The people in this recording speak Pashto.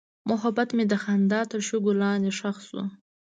محبت مې د خندا تر شګو لاندې ښخ شو.